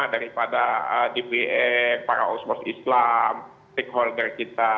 daripada dpr para osmos islam stakeholder kita